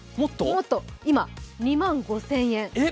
もっと、今、２万５０００円。